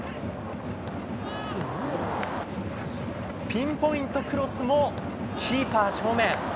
ピンポイントクロスもキーパー正面。